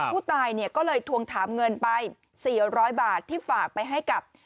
ผู้ตายเนี่ยก็เลยทวงถามเงินไป๔๐๐บาทที่ฝากไปให้กับ